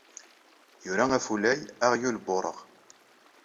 Yura Afulay Aɣyul n wureɣ.